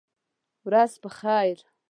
ورځ په خیر !